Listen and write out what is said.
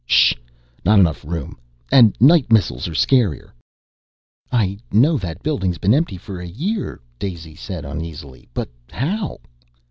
"Sh! Not enough room. And night missiles are scarier." "I know that building's been empty for a year," Daisy said uneasily, "but how